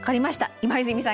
今泉さん